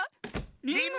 リム。